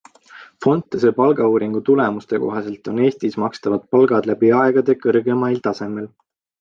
Fontese palgauuringu tulemuste kohaselt on Eestis makstavad palgad läbi aegade kõrgemail tasemel.